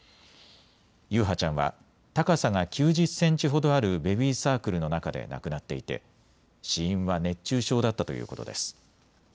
優陽ちゃんは高さが９０センチほどあるベビーサークルの中で亡くなっていて死因は熱中症だということです。